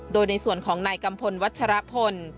โดยในส่วนของนายกัมพลวัชรพล